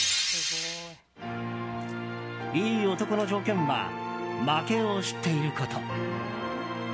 「いい男の条件は負けを知っていること」。